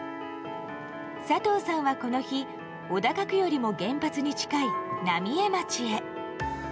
佐藤さんはこの日小高区よりも原発に近い浪江町へ。